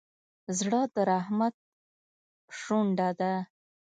زړه د رحمت شونډه ده.